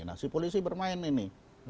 nah si polisi bermain ini